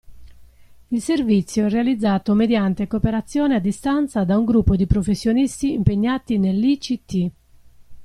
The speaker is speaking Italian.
Il servizio è realizzato mediante cooperazione a distanza da un gruppo di professionisti impegnati nell'ICT.